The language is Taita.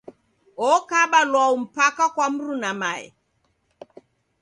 Okaba lwau mpaka kwa mruna mae.